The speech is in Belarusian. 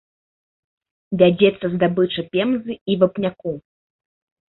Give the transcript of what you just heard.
Вядзецца здабыча пемзы і вапняку.